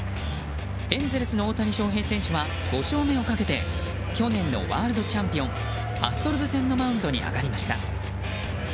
エンゼルスの大谷翔平選手は５勝目をかけて去年のワールドチャンピオンアストロズ戦のマウンドに上がりました。